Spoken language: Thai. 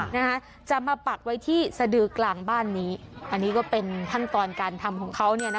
นะคะจะมาปักไว้ที่สดือกลางบ้านนี้อันนี้ก็เป็นขั้นตอนการทำของเขาเนี่ยนะ